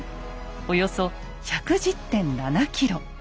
およそ１１０．７ｋｍ。